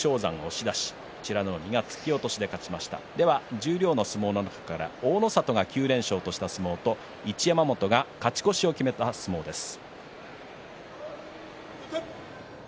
十両の相撲の中から大の里が９連勝にした相撲と一山本が勝ち越しを決めた相撲です。